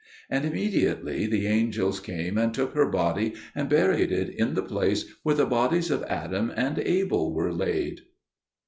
And immediately the angels came and took her body, and buried it in the place where the bodies of Adam and Abel were laid.